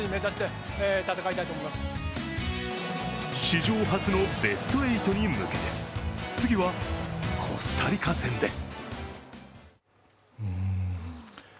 史上初のベスト８に向けて次はコスタリカ戦です。